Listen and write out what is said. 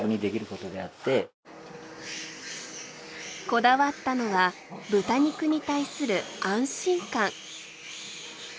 こだわったのは豚肉に対する安心感。